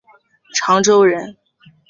长洲人。